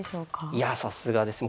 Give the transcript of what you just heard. いやさすがです。